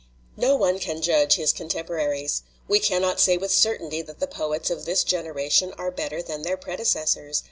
"No one can judge his contemporaries. We cannot say with certainty that the poets of this 260 THE NEW SPIRIT IN POETRY generation are better than their predecessors.